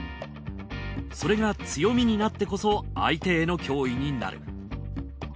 それが強みになってこそ相手への脅威になる。